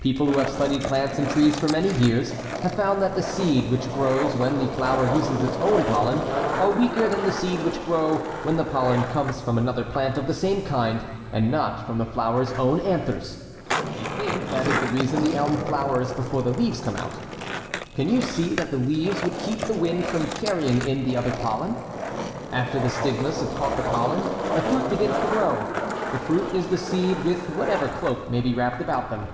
People who have studied plants and trees for many years have found that the seed which grow when the flower uses its own pollen are weaker than the seed which grow when the pollen comes from another plant of the same kind and not from the flower's own anthers. They think that is the reason the elm flowers before the leaves come out Can you see that the leaves would keep the wind from can ying in the other pollen ? After the stigmas have '*"""'"^ caught the pollen, the fruit begins to grow. The fruit is the seed with whatever cloak maybe wrapped about them.